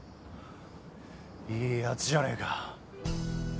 いいヤツじゃねえか。